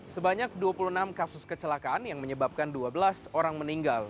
sebanyak dua puluh enam kasus kecelakaan yang menyebabkan dua belas orang meninggal